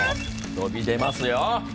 飛び出ますよ！